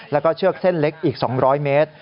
แล้วก็เชือกเส้นเล็กอีก๒๐๐เมตร